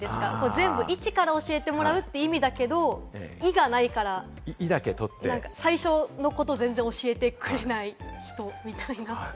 全部、いちから教えてもらうという意味だけれども、「イ」がないから、最初のことを全然教えてくれない人みたいな。